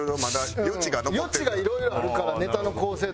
余地がいろいろあるからネタの構成とかも。